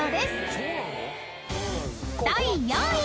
［第４位］